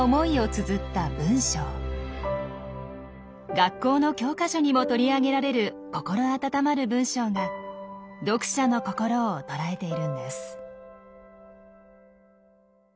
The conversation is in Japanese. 学校の教科書にも取り上げられる心温まる文章が読者の心をとらえているんです。